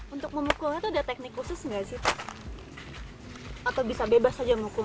untuk memukulnya itu ada teknik khusus nggak sih pak